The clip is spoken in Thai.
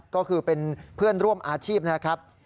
ก็คือเป็นเพื่อนร่วมอาชีพนะครับ